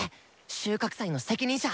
収穫祭の責任者！